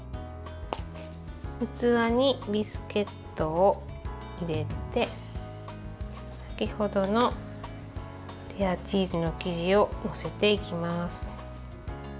器にビスケットを入れて先ほどのレアチーズの生地を載せていきます。